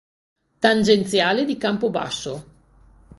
Tangenziale di Campobasso